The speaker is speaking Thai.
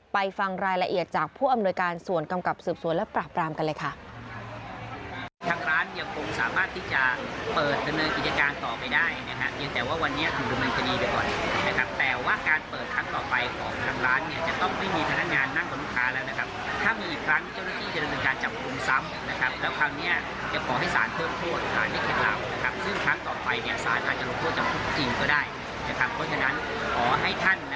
ฟังรายละเอียดจากผู้อำนวยการส่วนกำกับสืบสวนและปราบรามกันเลยค่ะ